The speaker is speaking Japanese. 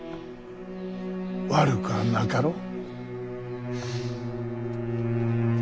悪くはなかろう。